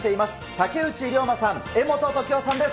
竹内涼真さん、柄本時生さんです。